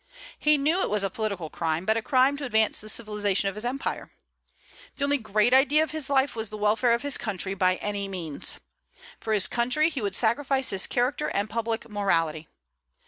He knew it was a political crime, but a crime to advance the civilization of his empire. The only great idea of his life was the welfare of his country, by any means. For his country he would sacrifice his character and public morality.